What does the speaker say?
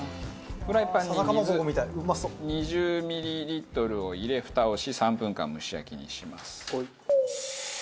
フライパンに水２０ミリリットルを入れふたをし３分間蒸し焼きにします。